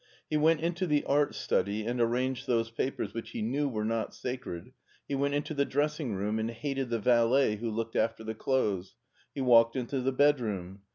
He went into the art study and arranged those papers which he knew were not sacred, he went into the dressinisf room and hated the valet who looked after the clothes. He walked into the bedroom.